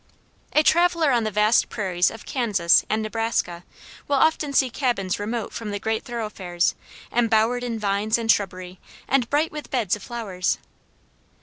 A traveler on the vast prairies of Kansas and Nebraska will often see cabins remote from the great thoroughfares embowered in vines and shrubbery and bright with beds of flowers.